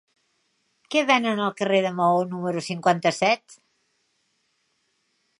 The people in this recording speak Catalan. Què venen al carrer de Maó número cinquanta-set?